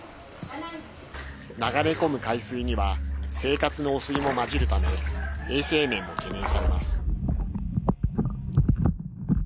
流れ込む海水には生活の汚水も混じるため衛生面も懸念されます。